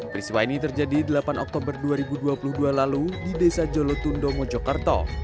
peristiwa ini terjadi delapan oktober dua ribu dua puluh dua lalu di desa jolotundo mojokerto